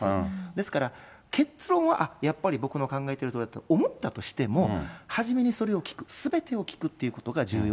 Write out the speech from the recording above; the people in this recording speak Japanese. ですから、結論は、あっ、やっぱり僕の考えてることだと思ったとしても、初めにそれを聞く、すべてを聞くっていうことが重要。